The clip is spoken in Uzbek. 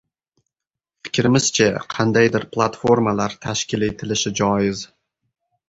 Fikrimizcha, qandaydir platformalar tashkil etilishi joiz.